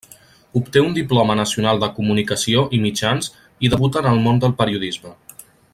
Obté un diploma nacional de comunicació i mitjans i debuta en el món del periodisme.